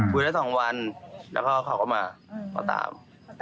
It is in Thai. พูดได้สองวันแล้วเขาก็มามาตาม